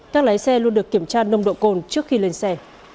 các lái xe luôn được kiểm tra nồng độ cồn trước khi lên xe